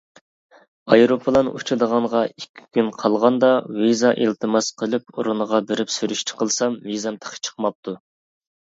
ئايروپىلان ئۇچىدىغانغا ئىككى كۈن قالغاندا ۋىزا ئىلتىماس قىلىپ ئورنىغا بېرىپ سۈرۈشتە قىلسام ۋىزام تېخى چىقماپتۇ.